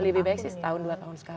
lebih baik sih setahun dua tahun sekali